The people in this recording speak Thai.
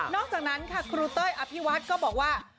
นอกจากนั้นเค้าครูต้อยอภิวัศก็บอกว่า